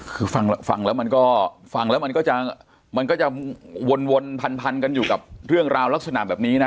คือฟังแล้วมันก็จะวนพันกันอยู่กับเรื่องราวลักษณะแบบนี้นะ